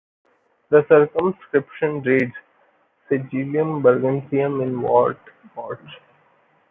The circumscription reads: "Sigillium burgensium in wartborch".